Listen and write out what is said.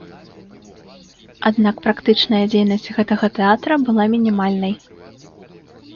Аднак, практычная дзейнасць гэтага тэатра была мінімальнай.